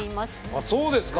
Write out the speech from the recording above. あっそうですか。